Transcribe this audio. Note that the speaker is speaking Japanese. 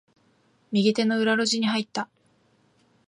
右手の裏路地に入った。